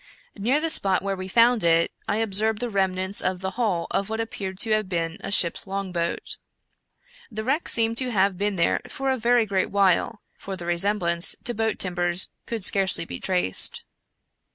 Near the spot where we found it, I observed the remnants of the hull of what appeared to have been a ship's longboat. The wreck seemed to have been there for a very great while, for the resemblance to boat timbers could scarcely be traced.